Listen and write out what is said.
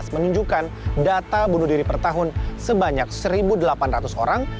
dua ribu enam belas menunjukkan data bunuh diri per tahun sebanyak satu delapan ratus orang